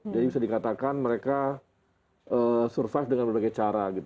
jadi bisa dikatakan mereka survive dengan berbagai cara